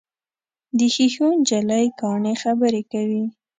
د ښیښو نجلۍ کاڼي خبرې کوي.